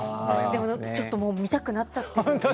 でも、ちょっと見たくなっちゃってる。